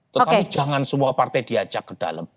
tetapi jangan semua partai diajak ke dalam